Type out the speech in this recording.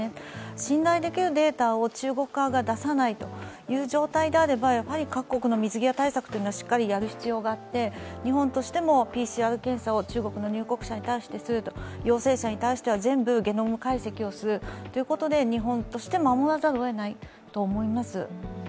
信頼できるデータを中国側が出さないという状態であればやはり各国の水際対策というのをしっかりやる必要があって日本としてもＰＣＲ検査を中国の入国者に対して、陽性者に対しては全部ゲノム解析をするということで、日本として守らざるをえないと思います。